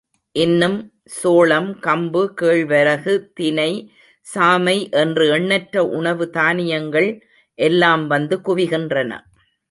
இன்னும் சோளம், கம்பு, கேழ்வரகு, தினை, சாமை, என்று எண்ணற்ற உணவு தானியங்கள் எல்லாம் வந்து குவிகின்றன.